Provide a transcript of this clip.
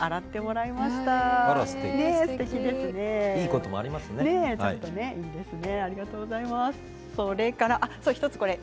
いいこともありますね。